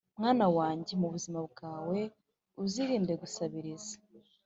Mwana wanjye, mu buzima bwawe uzirinde gusabiriza,